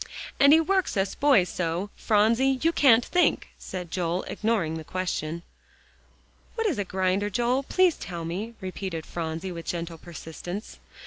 "And he works us boys so, Phronsie you can't think," said Joel, ignoring the question. "What is a grinder, Joel, please tell me," repeated Phronsie with gentle persistence.